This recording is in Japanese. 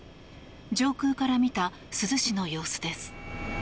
上空から見た珠洲市の様子です。